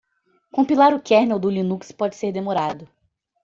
Compilar o kernel do Linux pode ser demorado.